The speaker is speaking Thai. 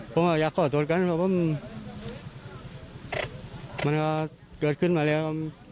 เพราะว่าอยากขอโทษกันเพราะว่ามันก็เกิดขึ้นมาแล้ว